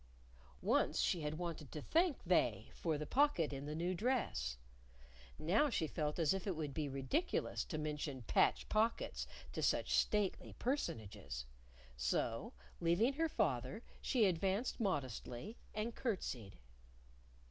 Once she had wanted to thank They for the pocket in the new dress. Now she felt as if it would be ridiculous to mention patch pockets to such stately personages. So, leaving her father, she advanced modestly and curtsied.